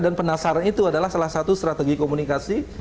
dan penasaran itu adalah salah satu strategi komunikasi